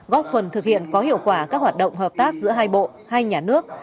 góp phần thực hiện có hiệu quả các hoạt động hợp tác giữa hai bộ hai nhà nước